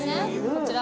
こちら。